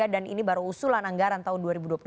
ini baru usulan anggaran tahun dua ribu dua puluh satu